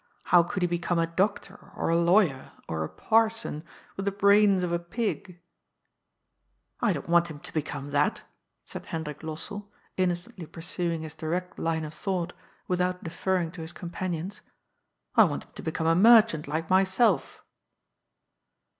How could he become a doctor or a lawyer or a parson, with the brains of a pig ?"" I don't want him to become that," said Hendrik Los sell, innocently pursuing his direct line of thought, without deferring to his companion's. " I want him to become a merchant like myself."